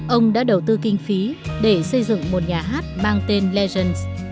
ông đã đầu tư kinh phí để xây dựng một nhà hát mang tên legends